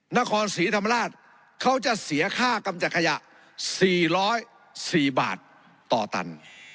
นครศรีธรรมราชเขาจะเสียค่ากำจัดขยะ๔๐๔บาทต่อตัน